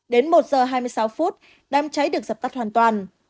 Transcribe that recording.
đến một h hai mươi sáu đám cháy được dập tắt hoàn toàn